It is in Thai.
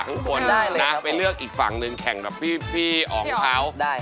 มันก็ใช่มันก็ใช่มันก็ใช่